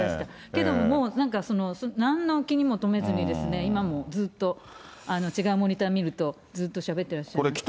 けども、もう、なんの気にもとめずに、今もずっと、違うモニター見ると、ずっとしゃべってらっしゃいますね。